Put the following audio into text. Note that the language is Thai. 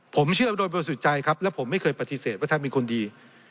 ผมเชื่อโดยบริสุทธิ์ใจครับและผมไม่เคยปฏิเสธว่าท่านเป็นคนดี